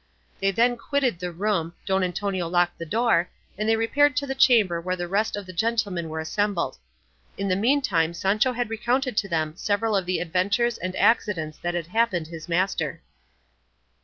They then quitted the room, Don Antonio locked the door, and they repaired to the chamber where the rest of the gentlemen were assembled. In the meantime Sancho had recounted to them several of the adventures and accidents that had happened his master.